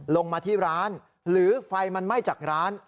ลงมาที่ร้านหรือไฟมันไหม้จากร้าน